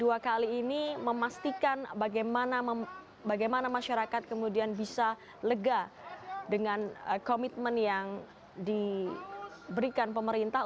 dua kali ini memastikan bagaimana masyarakat kemudian bisa lega dengan komitmen yang diberikan pemerintah